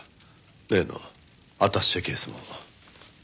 例のアタッシェケースも。